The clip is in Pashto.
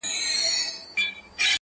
زولنې د زندانونو به ماتیږي!